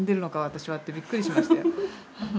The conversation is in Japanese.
私はってびっくりしましたよ。